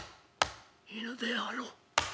犬であろう？